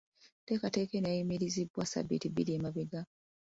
Enteekateeka eno yayimirizibwa ssabiiti bbiri emabega.